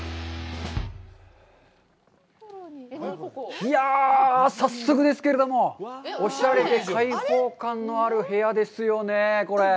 いや、早速ですけれども、おしゃれで開放感のある部屋ですよね、これ。